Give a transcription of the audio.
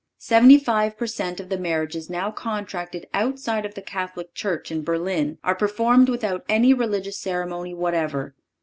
Seventy five per cent. of the marriages now contracted outside of the Catholic Church in Berlin are performed without any religious ceremony whatever.